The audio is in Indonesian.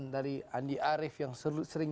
dari andi arief yang sering